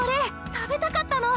食べたかったの。